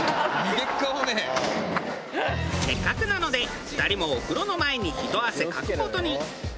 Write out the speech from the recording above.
せっかくなので２人もお風呂の前にひと汗かく事に。